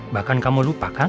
bahkan kamu lupa kan